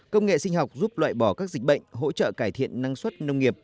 công nghệ sinh học giúp loại bỏ các dịch bệnh hỗ trợ cải thiện năng suất nông nghiệp